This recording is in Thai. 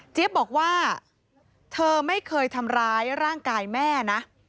บอกว่าเธอไม่เคยทำร้ายร่างกายแม่นะ